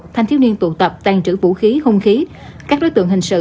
thanh thiếu niên tụ tập tàn trữ vũ khí hung khí các đối tượng hình sự